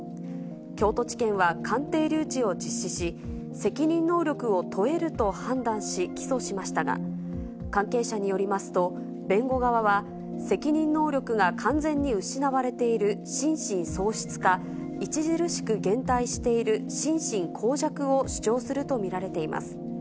京都地検は鑑定留置を実施し、責任能力を問えると判断し、起訴しましたが、関係者によりますと、弁護側は、責任能力が完全に失われている心神喪失か、著しく減退している心神耗弱を主張すると見られています。